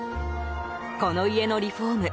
この家のリフォーム